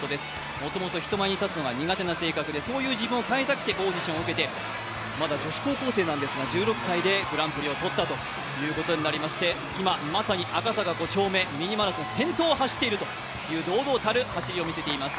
もともと人前に立つのが苦手な性格でそういう性格を変えたくてオーディションを受けて、まだ女子高校生なんですが１６歳でグランプリを取ったということになります、今、赤坂５丁目ミニマラソン先頭を走っているという、堂々たる走りを見せています。